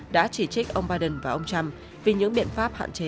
đã chỉ trích ông biden và ông trump vì những biện pháp hạn chế